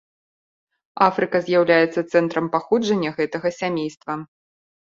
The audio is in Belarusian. Афрыка з'яўляецца цэнтрам паходжання гэтага сямейства.